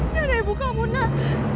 tidak ada ibu kamu nak